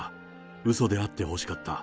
うそであってほしかった。